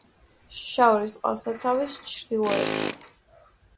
შაორის წყალსაცავის ჩრდილოეთით.